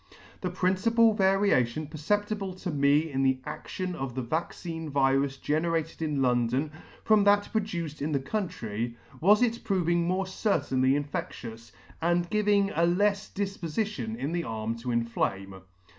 The principal variation perceptible to me in the aCtion of the vaccine virus generated in London, from that produced in the [ country, was its proving more certainly infectious, and giving a lefs difpofition in the arm to inflame.